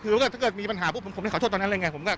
คือว่าถ้าเกิดมีปัญหาผมได้ขอโทษตอนนั้นอะไรอย่างไร